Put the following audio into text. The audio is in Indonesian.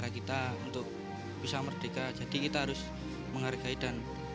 di seluruh indonesia